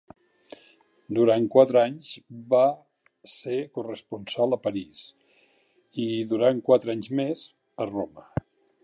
Durant quatre anys va ser corresponsal a París i, durant quatre anys més, a Roma.